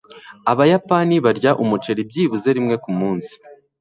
Abayapani barya umuceri byibuze rimwe kumunsi.